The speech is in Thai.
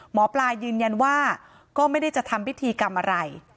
หมอปลายืนยันว่าก็ไม่ได้จะทำพิธีกรรมอะไร